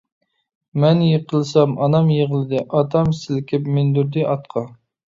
مەن يىقىلسام ئانام يىغلىدى، ئاتام سىلكىپ مىندۈردى ئاتقا.